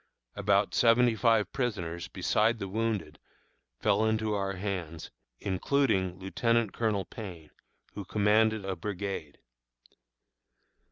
About seventy five prisoners, beside the wounded, fell into our hands, including Lieutenant Colonel Payne, who commanded a brigade.